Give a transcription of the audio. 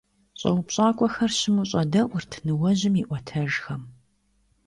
ЩӀэупщӀакӀуэхэр щыму щӀэдэӀурт ныуэжьым и Ӏуэтэжхэм.